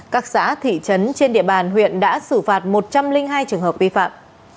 các xã thị trấn trên địa bàn huyện đã xử phạt một trăm linh hai trường hợp vi phạm